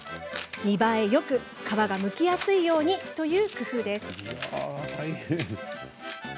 見栄えよく、皮がむきやすいようにという工夫です。